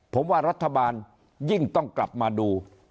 ผมว่ารัฐบาลยิ่งต้องกลับมาดู